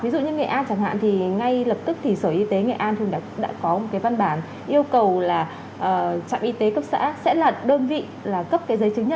ví dụ như nghệ an chẳng hạn thì ngay lập tức thì sở y tế nghệ an đã có một cái văn bản yêu cầu là trạm y tế cấp xã